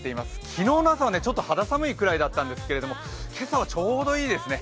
昨日の朝はちょっと肌寒いくらいだったんですけど、今朝はちょうどいいですね。